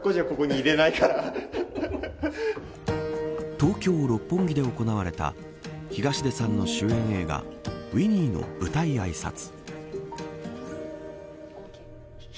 東京、六本木で行われた東出さんの主演映画Ｗｉｎｎｙの舞台あいさつ。